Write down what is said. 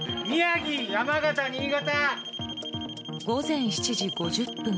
午前７時５０分